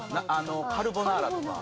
カルボナーラとか。